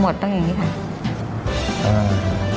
ขโมดต้องแบบนี้ครับ